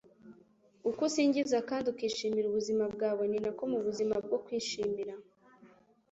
Uko usingiza kandi ukishimira ubuzima bwawe, ni nako mu buzima bwo kwishimira.”